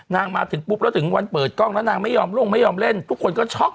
มาถึงปุ๊บแล้วถึงวันเปิดกล้องแล้วนางไม่ยอมล่วงไม่ยอมเล่นทุกคนก็ช็อก